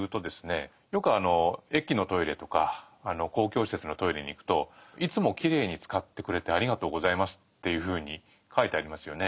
よく駅のトイレとか公共施設のトイレに行くと「いつもきれいに使ってくれてありがとうございます」っていうふうに書いてありますよね。